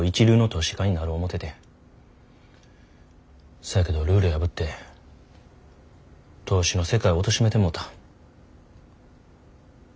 そやけどルール破って投資の世界おとしめてもうた。